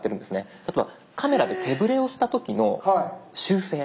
例えばカメラで手ぶれをした時の修正